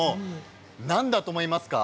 何だと思いますか？